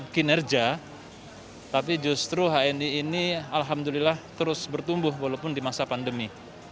kinerja tapi justru hni ini alhamdulillah terus bertumbuh walaupun di masa pandemi